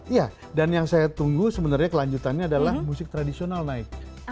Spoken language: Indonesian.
iya dan yang saya tunggu sebenarnya kelanjutannya adalah musik tradisional naik